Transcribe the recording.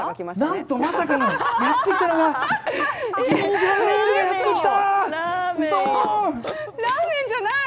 なんとまさかの、やってきたのがジンジャーエールがやってきた！